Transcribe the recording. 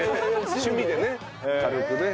趣味でね軽くね。